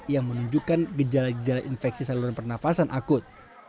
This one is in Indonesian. yang menunjukkan gejala gejala infeksi saluran pernafasan akut